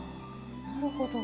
なるほど。